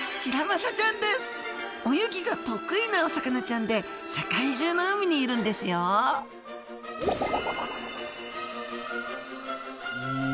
泳ぎが得意なお魚ちゃんで世界中の海にいるんですよふん！